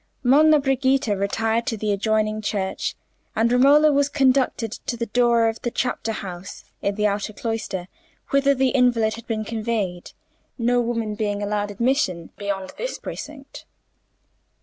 Monna Brigida retired into the adjoining church, and Romola was conducted to the door of the chapter house in the outer cloister, whither the invalid had been conveyed; no woman being allowed admission beyond this precinct.